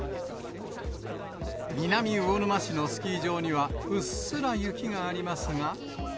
南魚沼市のスキー場には、うっすら雪がありますが。